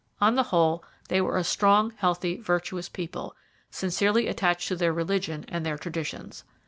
On the whole, they were a strong, healthy, virtuous people, sincerely attached to their religion and their traditions.